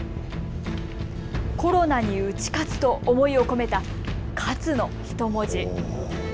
コロナに打ち勝つと思いを込めた勝のひと文字。